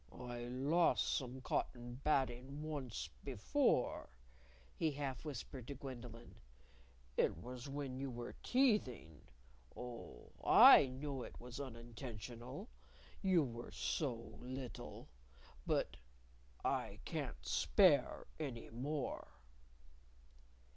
"I lost some cotton batting once before," he half whispered to Gwendolyn. "It was when you were teething. Oh, I know it was unintentional! You were so little. But I can't spare any more."